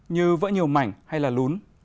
như vỡ nhiều mảnh hay là lún